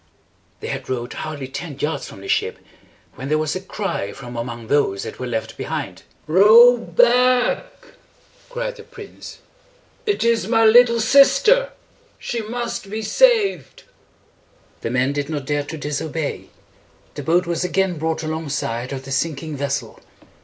They had rowed hardly ten yards from the ship, when there was a cry from among those that were left behind. "Row back!" cried the prince. "It is my little sister. She must be saved!" The men did not dare to disobey. The boat was again brought along side of the sinking vessel.